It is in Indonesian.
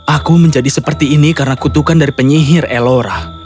aku menjadi seperti ini karena kutukan dari penyihir ellora